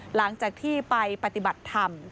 หลังจากที่ไปปฏิบัติธรรม